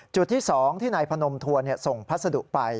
จุดที่๒ที่นายพนมทัวร์ส่งพัสดุไป